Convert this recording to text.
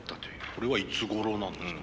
それはいつごろなんですか？